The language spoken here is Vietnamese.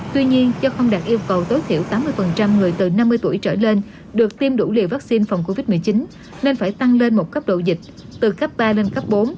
tuy nhiên do không đạt yêu cầu tối thiểu tám mươi người từ năm mươi tuổi trở lên được tiêm đủ liều vaccine phòng covid một mươi chín nên phải tăng lên một cấp độ dịch từ cấp ba lên cấp bốn